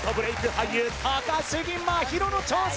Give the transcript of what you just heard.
俳優高杉真宙の挑戦